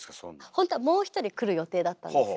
ほんとはもう一人来る予定だったんですよ。